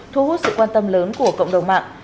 thu hút sự quan tâm lớn của cộng đồng mạng